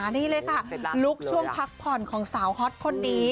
นี่เลยค่ะลุคช่วงพักผ่อนของสาวฮอตคนนี้